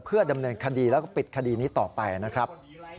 เพื่อดำเนินคดีแล้วก็ปิดคดีนี้ต่อไปนะครับ